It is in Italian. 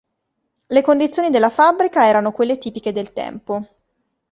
Le condizioni della fabbrica erano quelle tipiche del tempo.